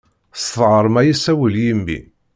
S tɣerma yessawel yimi.